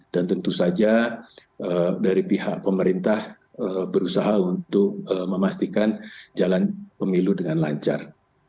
dan tentu saja dari pihak pemerintah berusaha untuk memastikan jalan pemilu dengan lancar